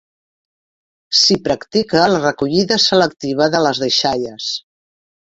S'hi practica la recollida selectiva de les deixalles.